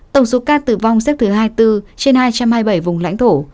tổng số ca tử vong xếp thứ hai mươi bốn trên hai trăm hai mươi bảy vùng lãnh thổ